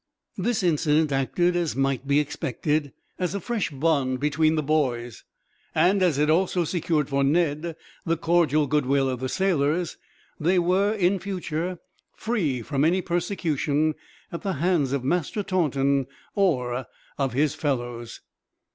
This incident acted, as might be expected, as a fresh bond between the boys; and as it also secured for Ned the cordial goodwill of the sailors, they were, in future, free from any persecution at the hands of Master Taunton, or of his fellows.